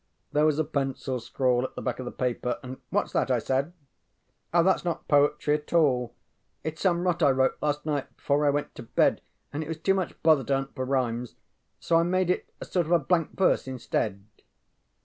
There was a pencil scrawl at the back of the paper and ŌĆ£WhatŌĆÖs that? ŌĆØ I said. ŌĆ£Oh thatŌĆÖs not poetry ŌĆśt all. ItŌĆÖs some rot I wrote last night before I went to bed and it was too much bother to hunt for rhymes; so I made it a sort of a blank verse instead.